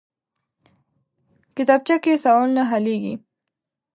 کتابچه کې سوالونه حلېږي